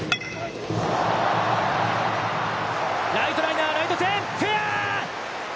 ライトライナーライト線フェア！